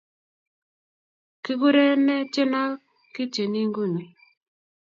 Kikure ne tyenotok ketyeni nguni?